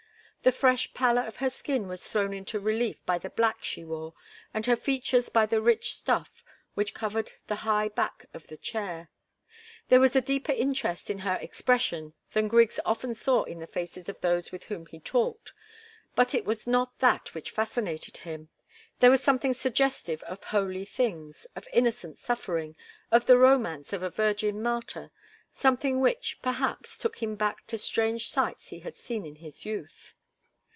The fresh pallor of her skin was thrown into relief by the black she wore, and her features by the rich stuff which covered the high back of the chair. There was a deeper interest in her expression than Griggs often saw in the faces of those with whom he talked, but it was not that which fascinated him. There was something suggestive of holy things, of innocent suffering, of the romance of a virgin martyr something which, perhaps, took him back to strange sights he had seen in his youth.